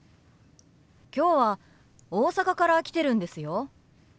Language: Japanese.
今日は大阪から来てるんですよ。